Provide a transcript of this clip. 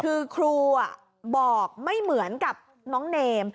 คือครูบอกไม่เหมือนกับน้องเนม